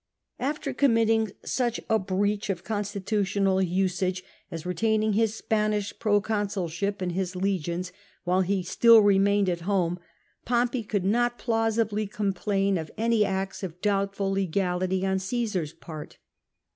After committing such a breach of constitutional usage as retaining his Spanish proconsulship and his legions, while he still remained at home, Pompey could not plausibly complain of any acts of doubtful legality on Caesar's part.